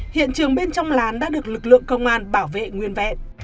hiện trường bên trong lán đã được lực lượng công an bảo vệ nguyên vẹn